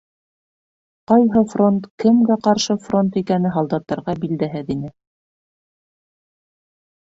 Ҡайһы фронт, кемгә ҡаршы фронт икәне һалдаттарға билдәһеҙ ине.